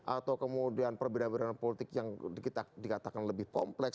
atau kemudian perbedaan perbedaan politik yang dikatakan lebih kompleks